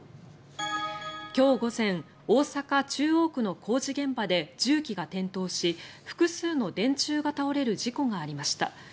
今日午前、大阪・中央区の工事現場で重機が転倒し複数の電柱が倒れる事故がありました。